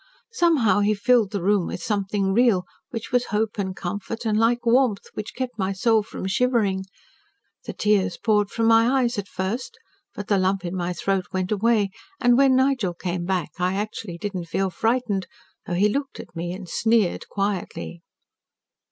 Somehow he filled the room with something real, which was hope and comfort and like warmth, which kept my soul from shivering. The tears poured from my eyes at first, but the lump in my throat went away, and when Nigel came back I actually did not feel frightened, though he looked at me and sneered quietly."